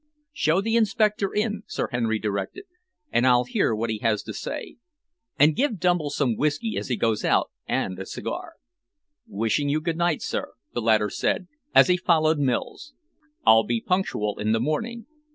"Show the inspector in," Sir Henry directed, "and I'll hear what he has to say. And give Dumble some whisky as he goes out, and a cigar." "Wishing you good night, sir," the latter said, as he followed Mills. "I'll be punctual in the morning.